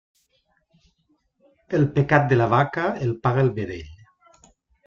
El pecat de la vaca, el paga el vedell.